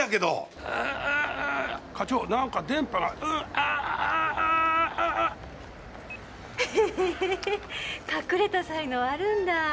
ふふふ隠れた才能あるんだ。